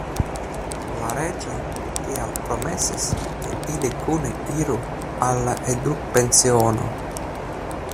La reĝo tial promesis, ke ili kune iru al la edukpensiono.